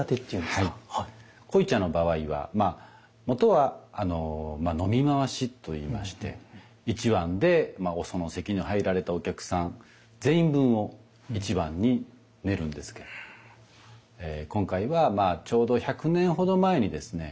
濃茶の場合はまあもとは飲み回しと言いまして一碗でその席に入られたお客さん全員分を一碗に練るんですけれども今回はちょうど１００年ほど前にですね